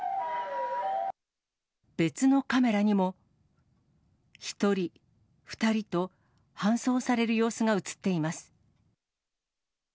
別のカメラにも、１人、２人と、搬送される様子が写っています。